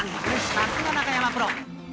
さすが中山プロ。